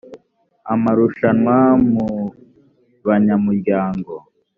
amarushanwa mu banyamuryango